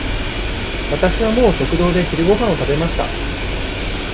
わたしはもう食堂で昼ごはんを食べました。